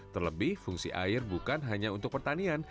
terlebih fungsi air bukan hanya untuk pertanian